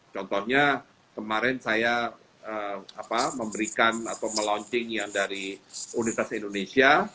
contohnya kemarin saya memberikan atau melaunching yang dari universitas indonesia